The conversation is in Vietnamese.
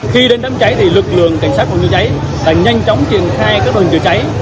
khi đến đám cháy thì lực lượng cảnh sát phòng chế cháy đã nhanh chóng triển khai các đồn chế cháy